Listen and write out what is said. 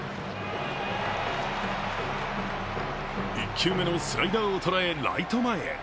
１球目のスライダーを捉え、ライト前へ。